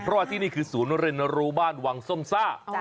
เพราะว่าที่นี่คือศูนย์เรียนรู้บ้านวังส้มซ่า